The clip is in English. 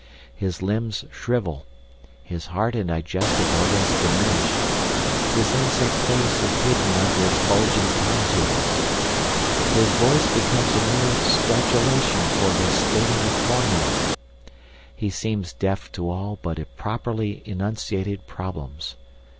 His limbs shrivel, his heart and digestive organs diminish, his insect face is hidden under its bulging contours. His voice becomes a mere stridulation for the stating of formulæ; he seems deaf to all but properly enunciated problems.